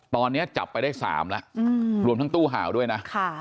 ตอนนี้จับไปได้๓แล้วรวมทั้งตู้ห่าวด้วยนะ